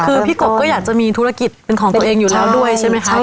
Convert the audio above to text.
คือพี่กบก็อยากจะมีธุรกิจเป็นของตัวเองอยู่แล้วด้วยใช่ไหมคะ